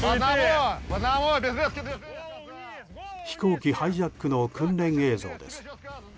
飛行機ハイジャックの訓練映像です。